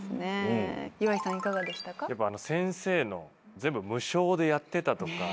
全部無償でやってたとか。